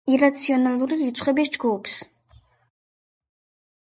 ირაციონალური რიცხვების ჯგუფს.